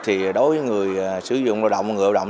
thì đối với người sử dụng lao động người lao động